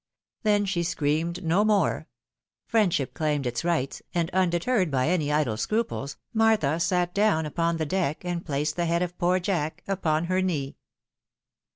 Then she screamed no more ; friendship claimed its rights, and undeterred by any idle scruples, Martha sat down upon the deck, and placed the head of poor Jack upon her knee.